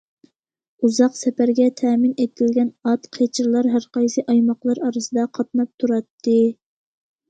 ئۇزاق سەپەرگە تەمىن ئېتىلگەن ئات، قېچىرلار ھەرقايسى ئايماقلار ئارىسىدا قاتناپ تۇراتتى.